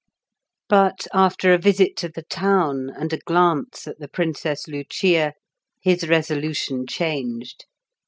But after a visit to the town, and a glance at the Princess Lucia, his resolution changed.